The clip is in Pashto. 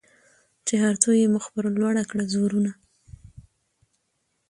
چي هر څو یې مخ پر لوړه کړه زورونه